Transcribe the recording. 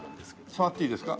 触っていいですか？